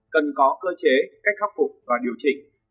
cần có cơ chế cách khắc phục và điều chỉnh